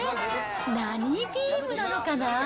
何ビームなのかな？